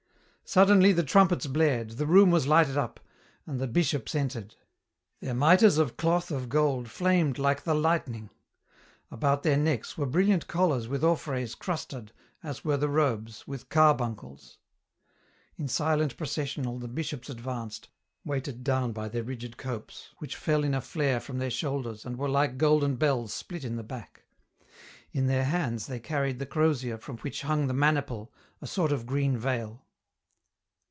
Suddenly the trumpets blared, the room was lighted up, and the Bishops entered. Their mitres of cloth of gold flamed like the lightning. About their necks were brilliant collars with orphreys crusted, as were the robes, with carbuncles. In silent processional the Bishops advanced, weighted down by their rigid copes, which fell in a flare from their shoulders and were like golden bells split in the back. In their hands they carried the crozier from which hung the maniple, a sort of green veil.